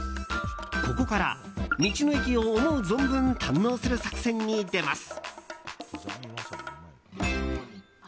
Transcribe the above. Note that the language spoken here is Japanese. ここから、道の駅を思う存分堪能する作戦に出ます。